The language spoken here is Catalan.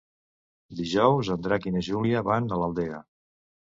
Dijous en Drac i na Júlia van a l'Aldea.